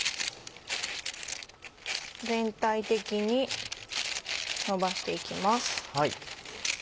全体的にのばして行きます。